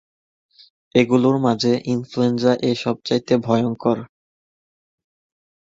এগুলোর মাঝে ইনফ্লুয়েঞ্জা এ সব চাইতে ভয়ংকর।